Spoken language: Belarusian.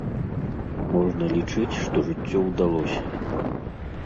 Можна лічыць, што жыццё ўдалося.